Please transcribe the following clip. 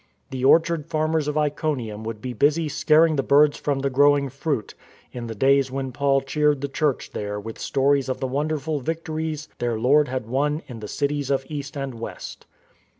The orchard farmers of Iconium would be busy scaring the birds from the growing fruit, in the days when Paul cheered the church there with stories of the wonderful victories their Lord had won in the cities of East and West.